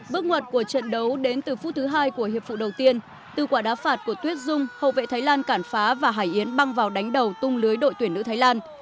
bước ngoặt của trận đấu đến từ phút thứ hai của hiệp phụ đầu tiên từ quả đá phạt của tuyết dung hậu vệ thái lan cản phá và hải yến băng vào đánh đầu tung lưới đội tuyển nữ thái lan